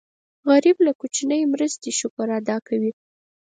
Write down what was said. غریب له کوچنۍ مرستې شکر ادا کوي